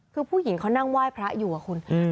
คือผู้หญิงเขานั่งไหว้พระอยู่อะคุณ